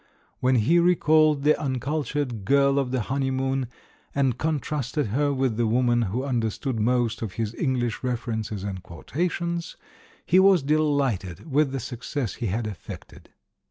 When he recalled the uncultured girl of the honejTnoon, and constrasted her with the woman who understood most of his English references and quotations, he was dehghted with the success he had effected.